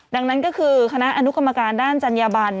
ดังนั้นก็คือคณะอนุกรรมการด้านจัญญบัน